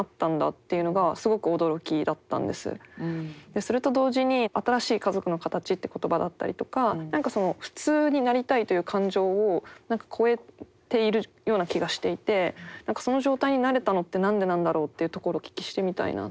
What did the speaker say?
それと同時に新しい家族の形って言葉だったりとか何か普通になりたいという感情を超えているような気がしていてその状態になれたのって何でなんだろうというところお聞きしてみたいなって。